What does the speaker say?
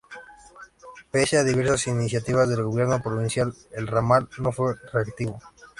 Pese a diversas iniciativas del gobierno provincial, el ramal no fue reactivado.